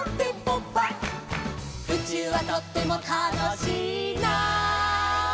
「宇宙はとってもたのしいな」